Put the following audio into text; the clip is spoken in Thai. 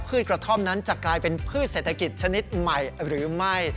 กระท่อมนั้นจะกลายเป็นพืชเศรษฐกิจชนิดใหม่หรือไม่